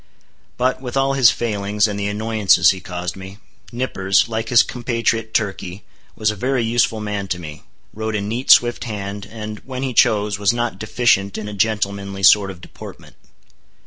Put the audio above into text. But with all his failings, and the annoyances he caused me, Nippers, like his compatriot Turkey, was a very useful man to me; wrote a neat, swift hand; and, when he chose, was not deficient in a gentlemanly sort of deportment.